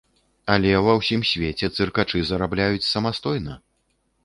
Але ва ўсім свеце цыркачы зарабляюць самастойна!